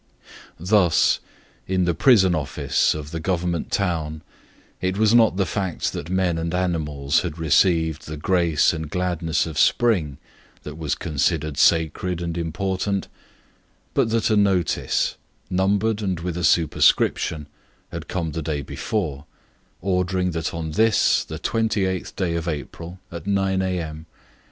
Thus, in the prison office of the Government town, it was not the fact that men and animals had received the grace and gladness of spring that was considered sacred and important, but that a notice, numbered and with a superscription, had come the day before, ordering that on this 28th day of April, at 9 a.m.